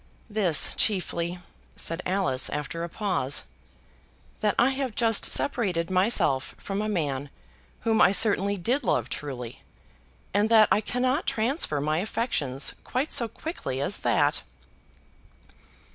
"This chiefly," said Alice, after a pause; "that I have just separated myself from a man whom I certainly did love truly, and that I cannot transfer my affections quite so quickly as that."